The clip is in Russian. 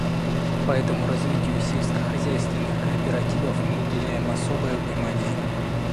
Поэтому развитию сельскохозяйственных кооперативов мы уделяем особое внимание.